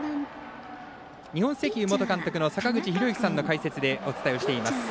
日本石油元監督の坂口裕之さんの解説でお伝えをしています。